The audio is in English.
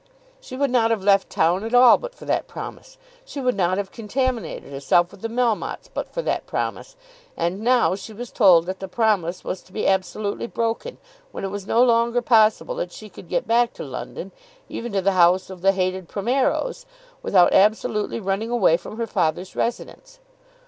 She would not have left town at all but for that promise. She would not have contaminated herself with the Melmottes but for that promise. And now she was told that the promise was to be absolutely broken, when it was no longer possible that she could get back to London, even to the house of the hated Primeros, without absolutely running away from her father's residence!